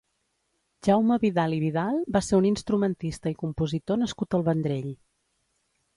Jaume Vidal i Vidal va ser un instrumentista i compositor nascut al Vendrell.